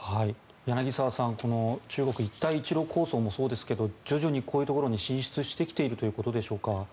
柳澤さん、この中国一帯一路構想もそうですが徐々にこういうところに進出してきているということでしょうか。